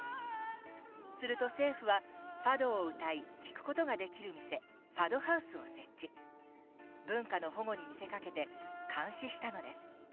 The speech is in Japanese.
すると政府はファドを歌い聞くことができる店文化の保護に見せかけて「監視」したのです。